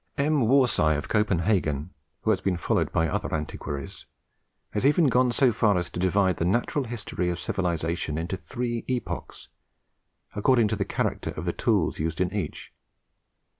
M. Worsaae of Copenhagen, who has been followed by other antiquaries, has even gone so far as to divide the natural history of civilization into three epochs, according to the character of the tools used in each.